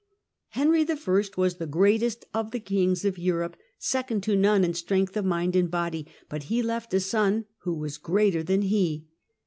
"Henry I. was the greatest of the kings of Europe, second to none in strength of mind and body, but he left a son who was greater than he."